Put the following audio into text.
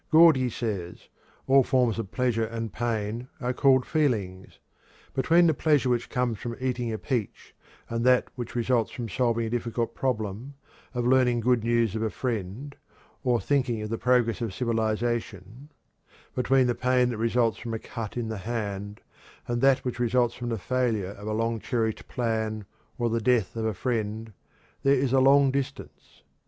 Gordy says: "All forms of pleasure and pain are called feelings. Between the pleasure which comes from eating a peach and that which results from solving a difficult problem, or learning good news of a friend, or thinking of the progress of civilization between the pain that results from a cut in the hand and that which results from the failure of a long cherished plan or the death of a friend there is a long distance.